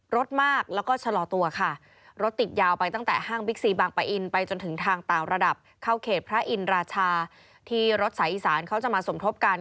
รถมากแล้วก็ชะลอตัวค่ะรถติดยาวไปตั้งแต่ห้างบิ๊กซีบางปะอินไปจนถึงทางต่างระดับเข้าเขตพระอินราชาที่รถสายอีสานเขาจะมาสมทบกัน